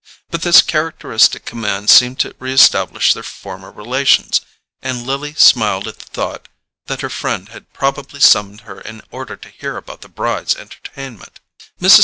But this characteristic command seemed to reestablish their former relations; and Lily smiled at the thought that her friend had probably summoned her in order to hear about the Brys' entertainment. Mrs.